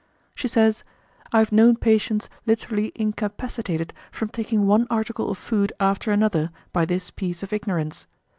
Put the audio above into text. She says, "I have known patients literally incapacitated from taking one article of food after another by this piece of ignorance.